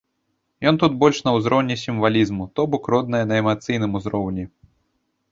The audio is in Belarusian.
Ён тут больш на ўзроўні сімвалізму, то бок родная на эмацыйным узроўні.